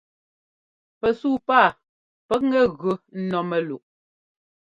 Pɛsuu páa pʉkŋɛ gʉ ɛ́nɔ́ mɛ́luʼ.